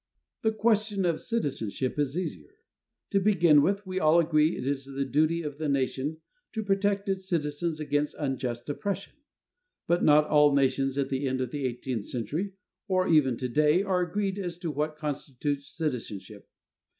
The question of citizenship is easier. To begin with, we all agree that it is the duty of the nation to protect its citizens against unjust oppression. But not all nations at the end of the eighteenth century, or even to day, are agreed as to what constitutes citizenship.